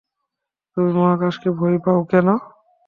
তুমি মহাকাশকে ভয় পাও কেন?